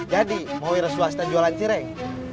jadi mau wiras swasta jualan cireng